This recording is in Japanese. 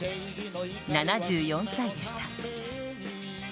７４歳でした。